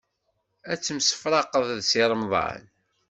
Ad temsefraqeḍ d Si Remḍan?